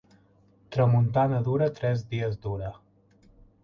Tramuntana dura, tres dies dura.